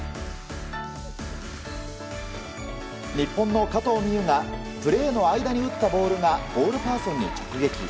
日本の加藤未唯がプレーの間に打ったボールがボールパーソンに直撃。